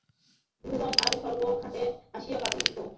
ভুবন আর স্বর্ণ ঘাটে আসিয়া কাঁদিত।